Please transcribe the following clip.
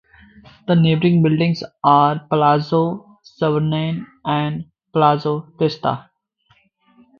The neighboring buildings are Palazzo Savorgnan and Palazzo Testa.